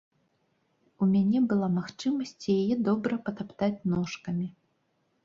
У мяне была магчымасць яе добра патаптаць ножкамі.